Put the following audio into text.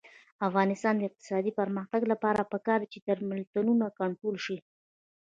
د افغانستان د اقتصادي پرمختګ لپاره پکار ده چې درملتونونه کنټرول شي.